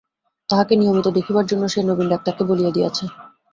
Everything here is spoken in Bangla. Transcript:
তাঁহাকে নিয়মিত দেখিবার জন্য সে নবীন-ডাক্তারকে বলিয়া দিয়াছে।